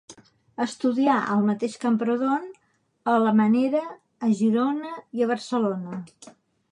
Estudià al mateix Camprodon, a La Manera, a Girona i a Barcelona.